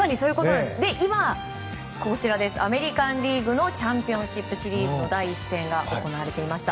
今、こちらアメリカン・リーグのチャンピオンシップシリーズの第１戦が行われていました。